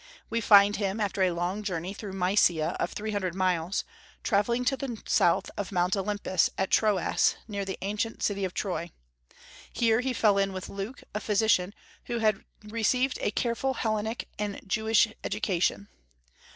We next find him, after a long journey through Mysia of three hundred miles, travelling to the south of Mount Olympus, at Troas, near the ancient city of Troy. Here he fell in with Luke, a physician, who had received a careful Hellenic and Jewish education.